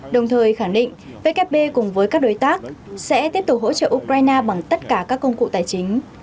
đồng thời khẳng định vkp cùng với các đối tác sẽ tiếp tục hỗ trợ ukraine bằng tất cả các công cụ tài chính